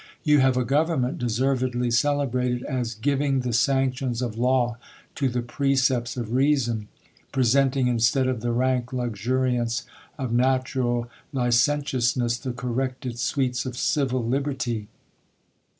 You have a government deservedly celebrated as " giving the sanctions of law to the precepts of reason ;" pre senting, instead of the rank luxuriance of natural licen tiousness, the corrected sweets of civil liberty.